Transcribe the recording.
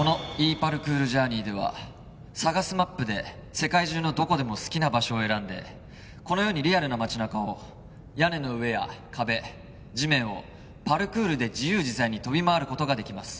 ＰａｒｋｏｕｒＪｏｕｒｎｅｙではＳＡＧＡＳマップで世界中のどこでも好きな場所を選んでこのようにリアルな街中を屋根の上や壁地面をパルクールで自由自在に跳び回ることができます